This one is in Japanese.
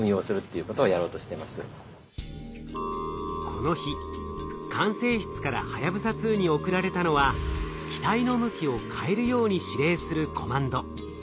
この日管制室からはやぶさ２に送られたのは機体の向きを変えるように指令するコマンド。